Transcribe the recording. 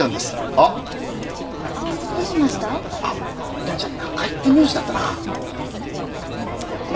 あっミナちゃん仲依って名字だったな？